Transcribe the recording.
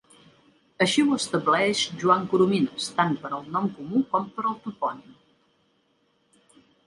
Així ho estableix Joan Coromines tant per al nom comú com per al topònim.